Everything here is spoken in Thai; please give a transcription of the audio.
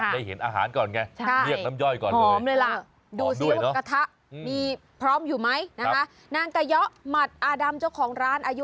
ได้เห็นอาหารก่อนไงเรียกน้ำย่อยก่อน